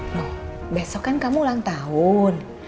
loh besok kan kamu ulang tahun